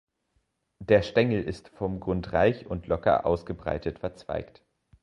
Der Stängel ist vom Grund reich und locker ausgebreitet verzweigt.